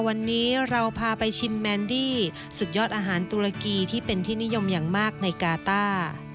วันนี้เราพาไปชิมแมนดี้สุดยอดอาหารตุรกีที่เป็นที่นิยมอย่างมากในกาต้า